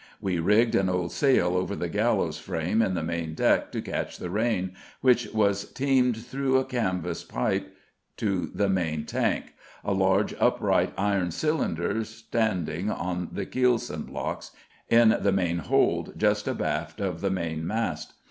We rigged an old sail over the gallows frame in the main deck to catch the rain, which was teemed through a canvas pipe to the main tank, a large upright iron cylinder standing on the keelson blocks in the main hold just abaft of the main mast.